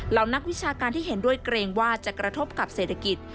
นักวิชาการที่เห็นด้วยเกรงว่าจะกระทบกับเศรษฐกิจ